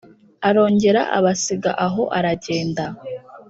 Arongera abasiga aho aragenda